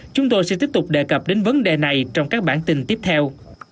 chúng tôi sẽ tiếp tục đề cập đến vấn đề này trong các bản tin tiếp theo